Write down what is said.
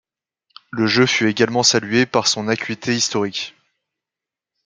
Le jeu fut également salué pour son acuité historique.